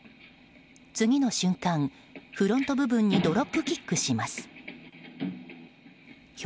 次の瞬間、フロント部分にドロップキックします。